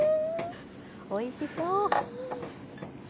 おいしそう。